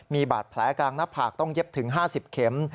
มีบาดแผลกลางหน้าผากต้องเย็บถึง๕๐เข็ม